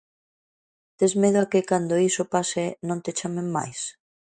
Tes medo a que cando iso pase non te chamen máis?